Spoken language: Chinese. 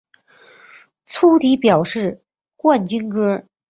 粗体表示冠军歌